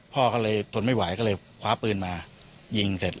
พ่อก็เลยทนไม่ไหวก็เลยคว้าปืนมายิงเสร็จ